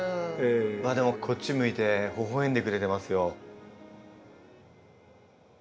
でもこっち向いてほほえんでくれてますよ。